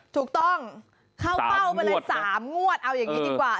ถูกต้องเข้าเป้าไปเลย๓งวดเอาอย่างนี้ดีกว่า